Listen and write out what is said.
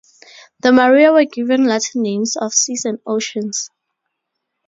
The "maria" were given Latin names of seas and oceans.